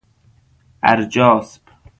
اَرجاسب